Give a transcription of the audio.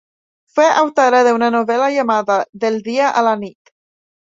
Fue autora de una novela llamada "Del dia a la nit".